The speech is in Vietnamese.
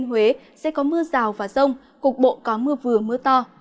thiên huế sẽ có mưa rào và rông cục bộ có mưa vừa mưa to